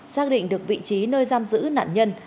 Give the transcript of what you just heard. xác định được vị trí nơi giam giữ nạn nhân